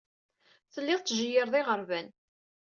Tellid tettjeyyired iɣerban.